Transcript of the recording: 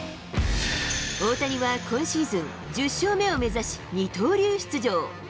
大谷は今シーズン、１０勝目を目指し、二刀流出場。